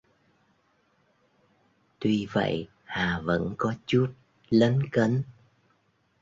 tuy vậy Hà vẫn có chút lấn cấn